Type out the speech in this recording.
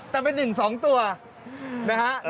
แต่เป็น๑๒ตัวนะฮะ